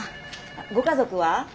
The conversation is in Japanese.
ご家族は？